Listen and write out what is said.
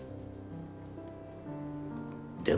でも。